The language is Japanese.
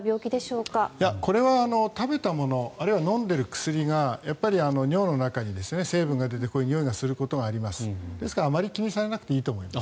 これは食べたものあるいは飲んでいる薬が尿の中に成分が出てにおいがすることがあります。